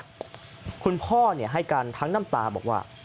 เสียใจแล้วครับคุณพ่อให้กันทั้งน้ำตาบอกว่า